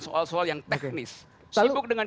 soal soal yang teknis sibuk dengan